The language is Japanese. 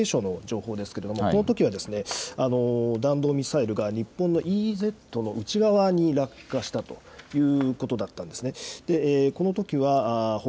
３月２４日の発射になりますけれども、防衛省の情報ですけれどもこのときは弾道ミサイルが日本のＥＥＺの内側に落下したとということだったんです。